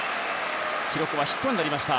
記録はヒットになりました。